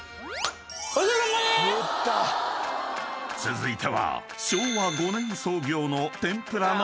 ［続いては昭和５年創業の天ぷらの名店］